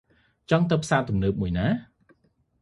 ចង់ទៅផ្សារទំនើបមួយណា?